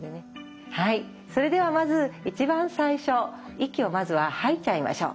はいそれではまず一番最初息をまずは吐いちゃいましょう。